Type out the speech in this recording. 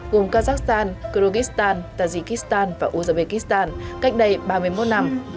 gồm kazakhstan kyrgyzstan tajikistan và uzbekistan cách đây ba mươi một năm